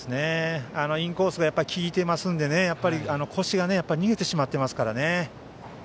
インコースが効いていますので腰が逃げてしまっていますね。